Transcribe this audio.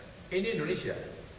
data data ini ini indonesia